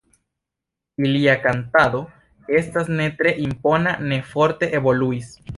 Ilia kantado estas ne tre impona, ne forte evoluis.